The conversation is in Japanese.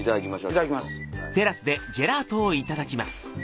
いただきます。